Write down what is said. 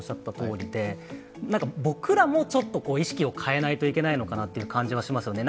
僕らもちょっと意識を変えないといけないのかなという感じはしますよね。